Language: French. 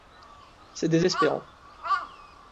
C'est désespérant.